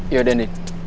ya udah din